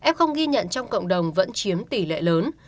f ghi nhận trong cộng đồng vẫn chiếm tỷ lệ lớn